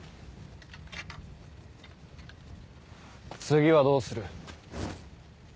次はどうする？